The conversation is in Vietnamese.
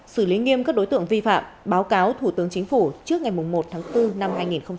xử lý nghiêm các đối tượng vi phạm báo cáo thủ tướng chính phủ trước ngày một tháng bốn năm hai nghìn hai mươi